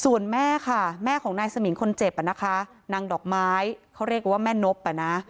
ส่วนแม่ค่ะแม่ของนายสมิงคนเจ็บอ่ะนะคะนางดอกไม้เขาเรียกว่าแม่นบอ่ะนะ